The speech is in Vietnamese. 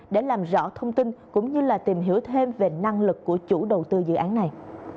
để làm rõ thông tin cũng như là tìm hiểu thêm về năng lực của chủ đầu tư dự án này